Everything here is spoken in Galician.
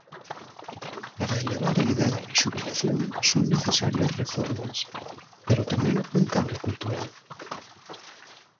Para elevar a idade de xubilación son necesarias reformas, pero tamén un cambio cultural.